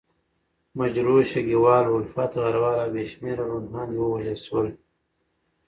مجروح، شګیوال، الفت، غروال او بې شمېره روڼاندي ووژل شول.